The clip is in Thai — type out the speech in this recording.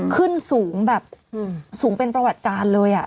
ขึ้นสูงแบบสูงเป็นประวัติการเลย